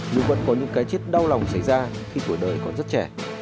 nhưng vẫn có những cái chết đau lòng xảy ra khi tuổi đời còn rất trẻ